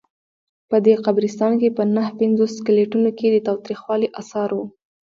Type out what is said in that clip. په دې قبرستان کې په نههپنځوس سکلیټونو کې د تاوتریخوالي آثار وو.